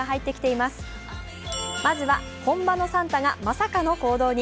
まずは本場のサンタがまさかの行動に。